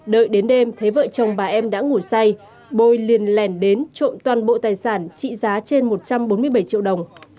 đợi đến đêm thấy vợ chồng bà em đã ngủ say bôi liền lèn đến trộm toàn bộ tài sản trị giá trên một trăm bốn mươi bảy triệu đồng